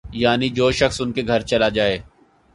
یعنی جو شخص ان کے گھر چلا جائے